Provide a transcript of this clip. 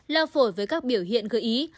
lao phổi với các biểu hiện gợi ý